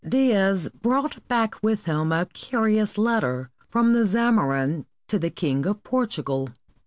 Dias brought back with him a curious letter from the Zamorin to the King of Portugal.